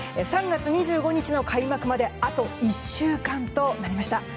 ３月２５日の開幕まであと１週間となりました。